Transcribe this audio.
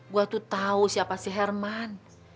gue tuh tau siapa si herman